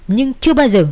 nhưng chưa bao giờ